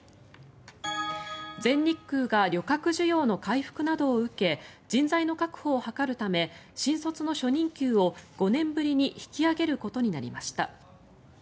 全日空が旅客需要の回復などを受け人材の確保を図るため新卒の初任給を５年ぶりに引き上げることになりました。